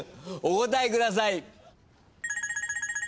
お答えください！